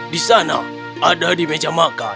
di sana ada di meja makan